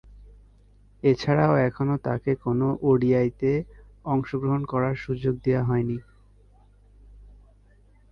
এছাড়াও, এখনো তাকে কোন ওডিআইয়ে অংশগ্রহণ করার সুযোগ দেয়া হয়নি।